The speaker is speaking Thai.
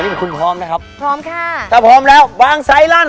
วันนี้คุณพร้อมนะครับพร้อมค่ะถ้าพร้อมแล้ววางใส่ร่าง